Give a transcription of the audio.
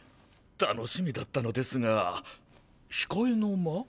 楽しみだったのですがひかえの間？